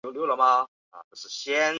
可以意晓之。